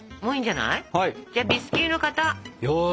じゃあビスキュイの型！